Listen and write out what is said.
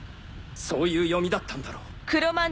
そういう読みだったんだろ？